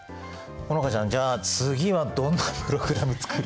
好花ちゃんじゃあ次はどんなプログラム作る？